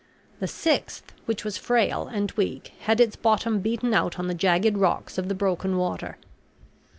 The sixth, which was frail and weak, had its bottom beaten out on the jagged rocks of the broken water.